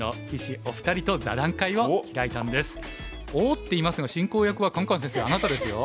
「おおっ！」って言いますが進行役はカンカン先生あなたですよ。